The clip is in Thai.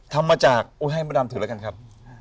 ด้วยอู๋ให้ประดับถือละกันครับ